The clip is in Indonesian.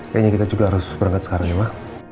kayanya kita juga harus berangkat sekarang ya ma